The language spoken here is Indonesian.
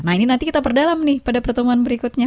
nah ini nanti kita perdalam nih pada pertemuan berikutnya